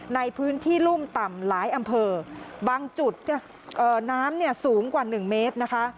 ในพื้นที่รุ่มต่ำหลายอำเภอบางจุดน้ำเนี่ยสูงกว่า๑เมตรนะคะ